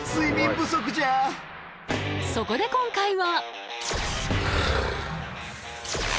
そこで今回は。